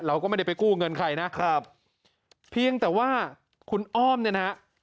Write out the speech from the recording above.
เราก็ไม่ได้ไปกู้เงินใครนะครับเพียงแต่ว่าคุณอ้อมเนี่ยนะฮะ